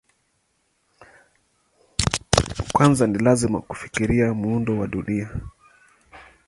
Kwanza ni lazima kufikiria muundo wa Dunia.